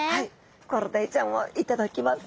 コロダイちゃんを頂きます。